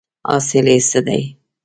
حاصل یې څه دی ؟